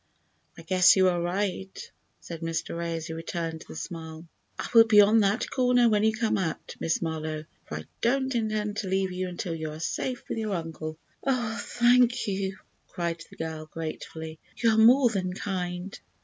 "I guess you are right," said Mr. Ray, as he returned the smile. "I will be on that corner when you come out, Miss Marlowe, for I don't intend to leave you until you are safe with your uncle." "Oh, thank you!" cried the girl, gratefully. "You are more than kind."